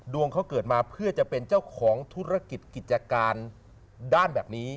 เขาเกิดมาเพื่อจะเป็นเจ้าของธุรกิจกิจการด้านแบบนี้